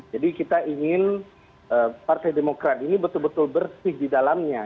jadi kita ingin partai demokrat ini betul betul bersih di dalamnya